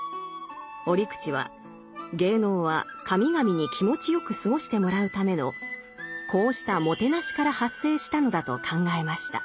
折口は芸能は神々に気持ちよく過ごしてもらうためのこうしたもてなしから発生したのだと考えました。